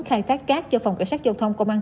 khai thác cát cho phòng cảnh sát giao thông công an